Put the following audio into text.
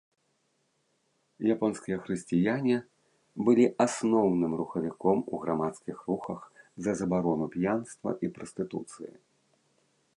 Японскія хрысціяне былі асноўным рухавіком у грамадскіх рухах за забарону п'янства і прастытуцыі.